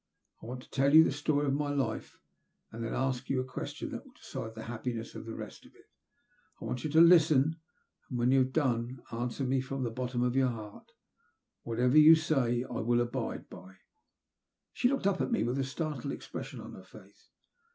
I want to tell' you the story of my life, and then to ask you a question that will decide the happiness of the rest of it. I want you to listen and, when I have done, answer me from the bottom of your heart. Whatever you say I will abide by." She looked up at me with a startled expression on her face.